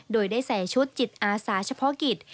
โดยได้ใส่ชุดจิตอาสาเฉพาะกิจ